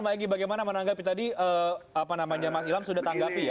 bang egy bagaimana menanggapi tadi apa namanya mas ilham sudah tanggapi ya